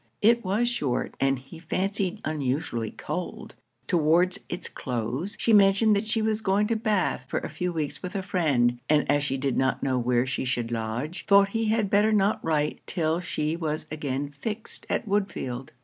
It was short, and he fancied unusually cold. Towards it's close, she mentioned that she was going to Bath for a few weeks with a friend, and as she did not know where she should lodge, thought he had better not write till she was again fixed at Woodfield.